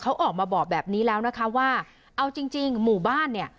เขาออกมาบอกแบบนี้แล้วนะคะว่าเอาจริงจริงหมู่บ้านเนี่ย